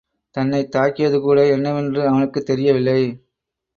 தன்னைத் தாக்கியதுகூட என்னவென்று அவனுக்குத் தெரியவில்லை.